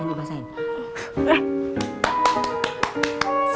aduh aduh aduh